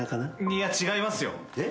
いや違いますよ。